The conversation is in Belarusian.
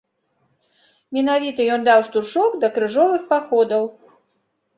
Менавіта ён даў штуршок да крыжовых паходаў.